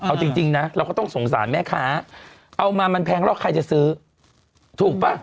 เอาจริงนะเราก็ต้องสงสารแม่ค้าเอามามันแพงแล้วใครจะซื้อถูกป่ะ